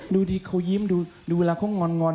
ดูที่ก็ยิ้มดูอะไรเขางอน